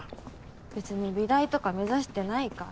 別に美大とか目指してないから。